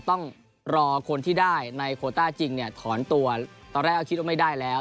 ต้องรอคนที่ได้ในโคต้าจริงเนี่ยถอนตัวตอนแรกก็คิดว่าไม่ได้แล้ว